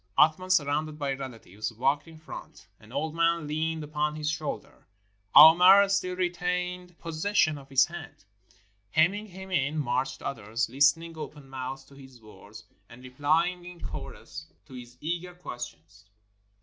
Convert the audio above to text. Athman, surrounded by relatives, walked in front. An old man leaned upon his shoulder — Aouimer still retained pos session of his hand. Hemming him in, marched others, listening open mouthed to his words, and replying in chorus to his eager questions.